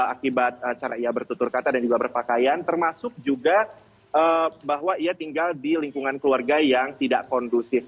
akibat cara ia bertutur kata dan juga berpakaian termasuk juga bahwa ia tinggal di lingkungan keluarga yang tidak kondusif